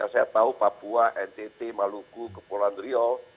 saya tahu papua ntt maluku kepulauan riau